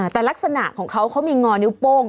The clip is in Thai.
แต่ลักษณะของเขาเขามีงอนิ้วโป้ง